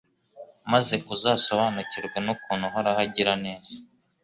maze azasobanukirwe n’ukuntu Uhoraho agira neza